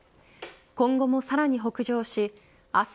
今後もさらに北上し明日